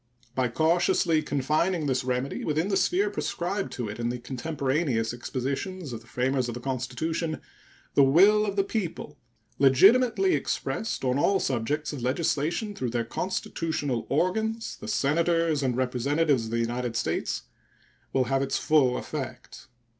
By cautiously confining this remedy within the sphere prescribed to it in the contemporaneous expositions of the framers of the Constitution, the will of the people, legitimately expressed on all subjects of legislation through their constitutional organs, the Senators and Representatives of the United States, will have its full effect.